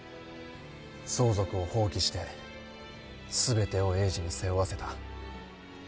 相続を放棄して全てを栄治に背負わせた。